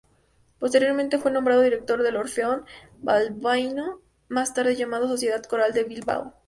Posteriormente, fue nombrado director del Orfeón Bilbaíno, más tarde llamado Sociedad Coral de Bilbao.